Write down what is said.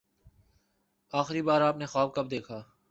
آخری بار آپ نے خواب کب دیکھا؟